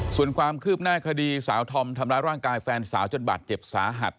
ส่วนความคืบหน้าคดีสาวธอมทำร้ายร่างกายแฟนสาวจนบาดเจ็บสาหัส